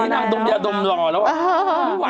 เดี๋ยวยังนางนายดมล่อวะ